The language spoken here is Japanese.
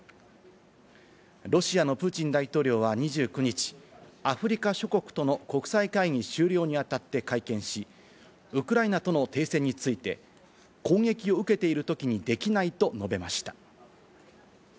ロシアのプーチン大統領は２９日、アフリカ諸国との国際会議終了にあたって会見し、ウクライナとの停戦について攻撃を受けているときにできないと述べました。